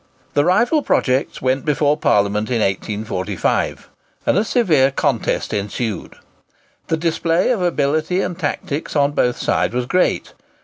The rival projects went before Parliament in 1845, and a severe contest ensued. The display of ability and tactics on both sides was great.